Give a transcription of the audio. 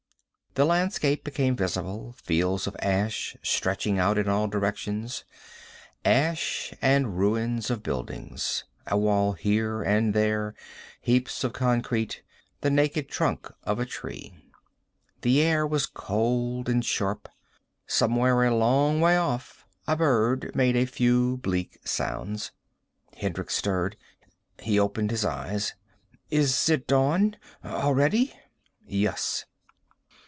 The landscape became visible, fields of ash stretching out in all directions. Ash and ruins of buildings, a wall here and there, heaps of concrete, the naked trunk of a tree. The air was cold and sharp. Somewhere a long way off a bird made a few bleak sounds. Hendricks stirred. He opened his eyes. "Is it dawn? Already?" "Yes."